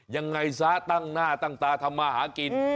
ยังไงซะตั้งหน้าตั้งตาทำมาหากิน